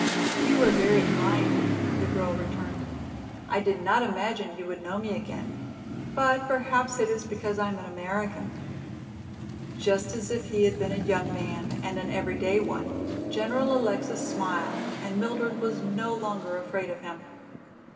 "You were very kind," the girl returned. "I did not imagine you would know me again, but perhaps it is because I am an American." Just as if he had been a young man and an everyday one, General Alexis smiled, and Mildred was no longer afraid of him.